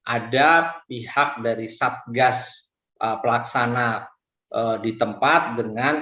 ada pihak dari satgas pelaksana di tempat dengan